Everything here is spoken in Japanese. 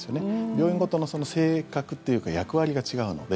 病院ごとの性格っていうか役割が違うので。